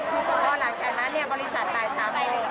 เพราะหลังจากนั้นบริษัทตาย๓น